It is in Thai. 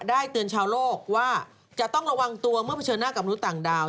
เตือนชาวโลกว่าจะต้องระวังตัวเมื่อเผชิญหน้ากับมนุษย์ต่างดาว